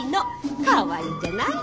かわいいじゃないの。